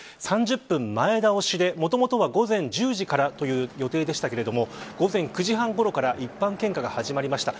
３０分前倒しでもともとは午前１０時からの予定でしたけども午前９時半ごろから一般献花が始まりました。